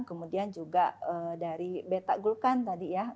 kemudian juga dari beta gulkan tadi ya